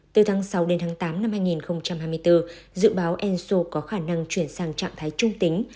từ tháng sáu đến tháng tám năm hai nghìn hai mươi bốn dự báo enso có khả năng chuyển sang trạng thái trung tính